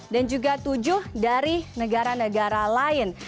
dan juga tujuh dari negara negara lain